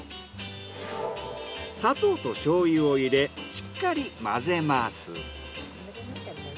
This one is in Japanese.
砂糖と醤油を入れしっかり混ぜます。